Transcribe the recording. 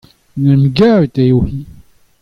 en em gavet eo-hi.